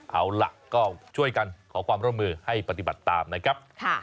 เอาล่ะก็ช่วยกันขอความร่วมมือให้ปฏิบัติตามนะครับ